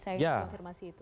saya yang mengafirmasi itu